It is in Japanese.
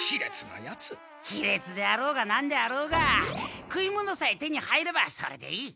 ひれつであろうがなんであろうが食い物さえ手に入ればそれでいい。